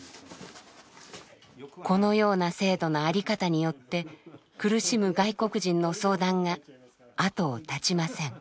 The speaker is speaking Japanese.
このような制度の在り方によって苦しむ外国人の相談が後を絶ちません。